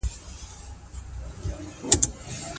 آيا هر پلار د ابوبکر غوندي حکيم کېدای سي؟